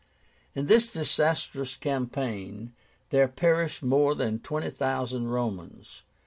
In this disastrous campaign there perished more than twenty thousand Romans.